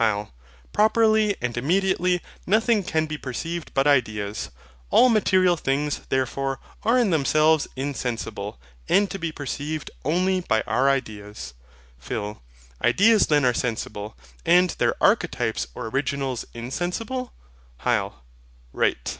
HYL. Properly and immediately nothing can be perceived but ideas. All material things, therefore, are in themselves insensible, and to be perceived only by our ideas. PHIL. Ideas then are sensible, and their archetypes or originals insensible? HYL. Right.